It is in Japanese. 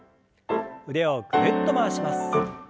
腕をぐるっと回します。